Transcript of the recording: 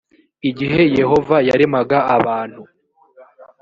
igihe yehova yaremaga abantu